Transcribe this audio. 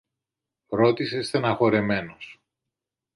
ρώτησε στενοχωρεμένος.